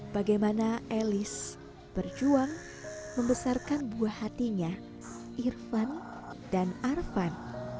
bagaimana elis berjuang membesarkan buah hatinya irfan dan arvan